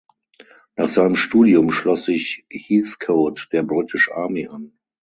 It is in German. Nach seinem Studium schloss sich Heathcote der British Army an.